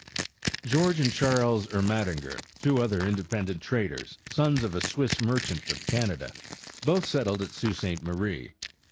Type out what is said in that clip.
George and Charles Ermatinger, two other inde pendent traders, sons of a Swiss merchant of Canada, both settled at Sault Sainte Marie.